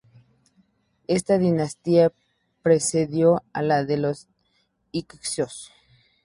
Esta dinastía precedió a la de los hicsos.